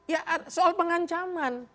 ya soal pengancaman